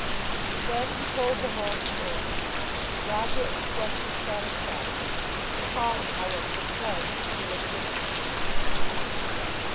Then he told the whole story. Roger expressed his satisfaction, recalling however the pledge which he had given as to his return.